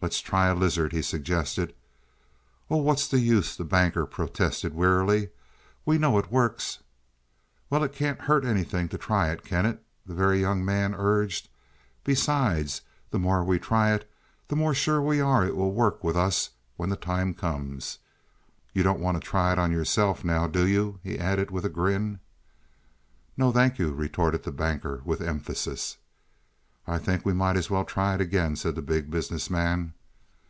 "Let's try a lizard," he suggested. "Oh, what's the use," the Banker protested wearily, "we know it works." "Well, it can't hurt anything to try it, can it?" the Very Young Man urged. "Besides, the more we try it, the more sure we are it will work with us when the time comes. You don't want to try it on yourself, now, do you?" he added with a grin. "No, thank you," retorted the Banker with emphasis. "I think we might as well try it again," said the Big Business Man.